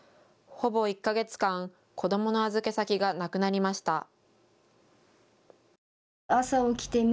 ほぼ１か月間、子どもの預け先がなくなりました。